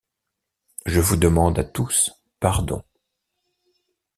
Je vous demande à tous pardon.